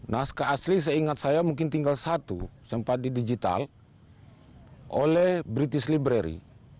naskah asli seingat saya mungkin tinggal satu sempat di digital oleh british library